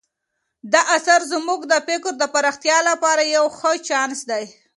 دا اثر زموږ د فکر د پراختیا لپاره یو ښه چانس دی.